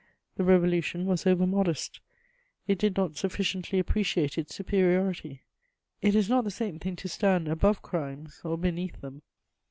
The Revolution was over modest; it did not sufficiently appreciate its superiority: it is not the same thing to stand above crimes or beneath them.